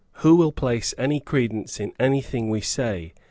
Who will place any credence in anything we say?